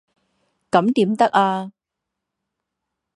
这怎么可以！